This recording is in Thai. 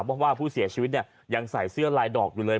เพราะว่าผู้เสียชีวิตเนี่ยยังใส่เสื้อลายดอกอยู่เลย